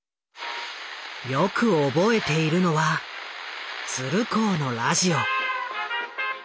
よく覚えているのは鶴光のラジオ。